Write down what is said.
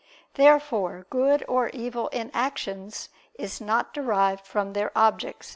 Therefore good or evil in actions is not derived from their object.